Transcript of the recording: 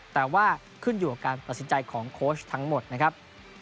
แต่ว่าขึ้นอยู่กับการตัดสินใจของโค้ชทั้งหมดนะครับ